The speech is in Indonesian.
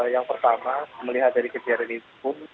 yang pertama melihat dari kecerinanya